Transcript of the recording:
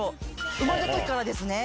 生まれた時からですね